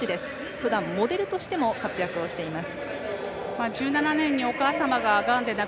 ふだんモデルとしても活躍をしています。